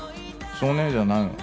少年Ａじゃないの？